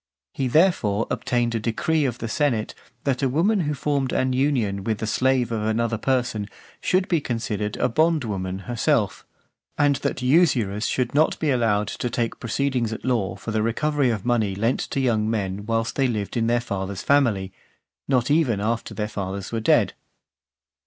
He, therefore, obtained a decree of the senate, that a woman who formed an union with the slave of another person, should be considered (454) a bondwoman herself; and that usurers should not be allowed to take proceedings at law for the recovery of money lent to young men whilst they lived in their father's family, not even after their fathers were dead.